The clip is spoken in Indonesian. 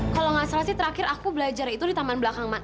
kalau nggak salah sih terakhir aku belajar itu di taman belakang